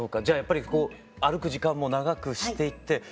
じゃあやっぱり歩く時間も長くしていって。